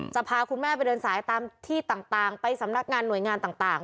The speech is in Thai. พาคุณแม่ไปเดินสายตามที่ต่างไปสำนักงานหน่วยงานต่าง